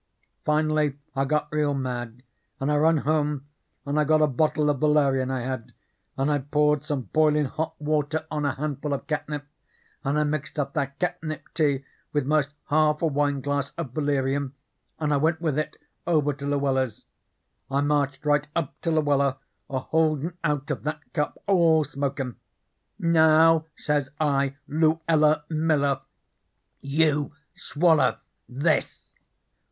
Finally I got real mad and I run home and I got a bottle of valerian I had, and I poured some boilin' hot water on a handful of catnip, and I mixed up that catnip tea with most half a wineglass of valerian, and I went with it over to Luella's. I marched right up to Luella, a holdin' out of that cup, all smokin'. 'Now,' says I, 'Luella Miller, 'YOU SWALLER THIS!'